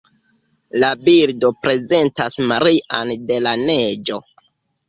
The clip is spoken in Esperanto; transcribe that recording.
La bildo prezentas Marian de la Neĝo.